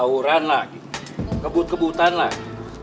tauran lagi kebut kebutan lagi